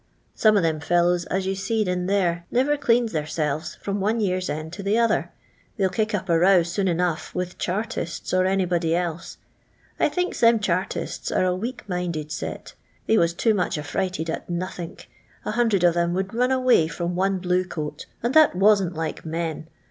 Some on them feUows as you seed in there niver eleans theirselves from one year's end to the other.. They '11 kick up a row soon enongh, with Chartiato or anybody else. I thinks them Ghartiats are a weak minded set;, they was too much a frightened at nothink, — a hundred o' them would run away from one blue coat, and that wasn't like men.